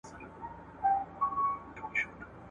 ¬ ورکه سې کمبلي، چي نه د باد يې نه د باران.